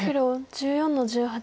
白１７の十八。